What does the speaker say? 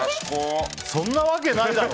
そんなわけないだろ！